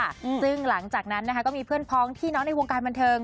ซึ่งหลังจากนั้นนะคะก็มีเพื่อนพ้องพี่น้องในวงการบันเทิง